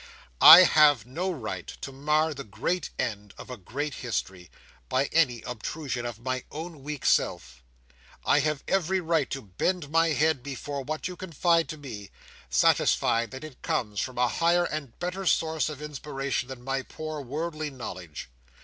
I have no right to mar the great end of a great history, by any obtrusion of my own weak self. I have every right to bend my head before what you confide to me, satisfied that it comes from a higher and better source of inspiration than my poor worldly knowledge.